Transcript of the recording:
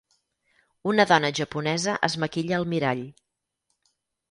Una dona japonesa es maquilla al mirall.